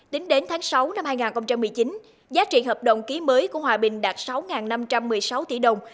tính đến tháng sáu năm hai nghìn một mươi chín giá trị hợp đồng ký mới của hòa bình đạt sáu năm trăm một mươi sáu tỷ đồng